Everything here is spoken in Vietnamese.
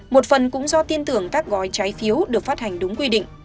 một phần cũng do tin tưởng các gói trái phiếu được phát hành đúng quy định